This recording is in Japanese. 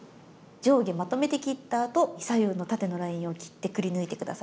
上下まとめて切ったあと左右の縦のラインを切ってくりぬいて下さい。